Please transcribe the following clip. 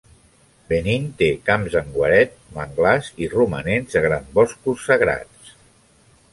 Benín té camps en guaret, manglars i romanents de grans boscos sagrats.